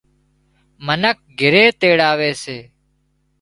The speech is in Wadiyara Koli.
منک گھِري تيڙاوي سي